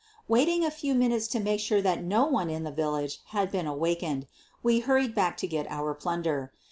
Waiting a few minutes to make sure that no one in the village had been awakened, we hurried back to get our plunder.